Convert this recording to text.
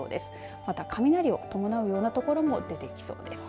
また雷を伴うような所も出てきそうです。